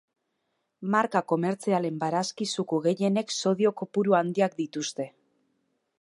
Marka komertzialen barazki-zuku gehienek sodio kopuru handiak dituzte.